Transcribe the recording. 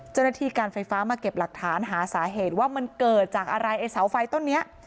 เจ้าหน้าที่การไฟฟ้ามาเก็บหลักฐานหาสาเหตุว่ามันเกิดจากอะไรไอ้เสาไฟต้นนี้